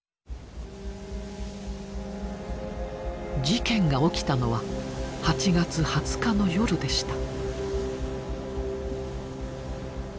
事件が起きたのは８月２０日の夜でした。